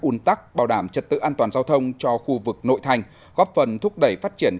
un tắc bảo đảm trật tự an toàn giao thông cho khu vực nội thành góp phần thúc đẩy phát triển